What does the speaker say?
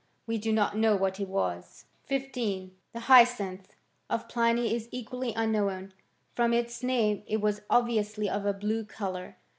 We do not know what it was. 15. The hyacinth of Pliny is equally unknowa* From its name it was obviously of a blue colour.